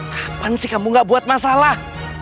kamu masih gak buat masalah